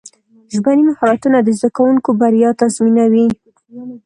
ژبني مهارتونه د زدهکوونکو بریا تضمینوي.